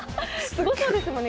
すごそうですもんね。